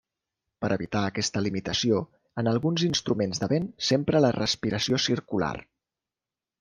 Per evitar aquesta limitació, en alguns instruments de vent s'empra la respiració circular.